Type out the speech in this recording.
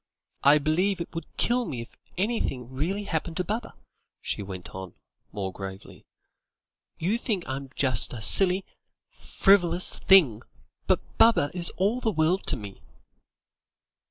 "I believe it would kill me if anything really happened to Baba," she went on, more gravely; "you think I'm just a silly, frivolous thing, but Baba is all the world to me."